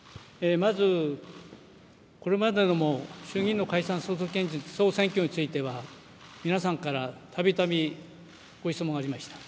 まずこれまでも衆議院の解散総選挙については皆さんからたびたびご質問がありました。